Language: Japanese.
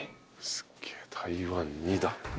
すっげえ台湾２だ。